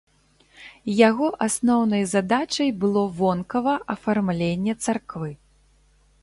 Яго асноўнай задачай было вонкава афармленне царквы.